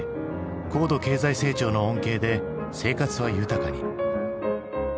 高度経済成長の恩恵で生活は豊かに。